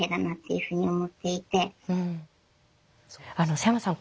瀬山さん